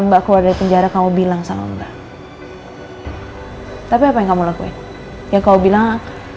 mbak keluar dari penjara kamu bilang sama mbak tapi apa yang kamu lakuin ya kau bilang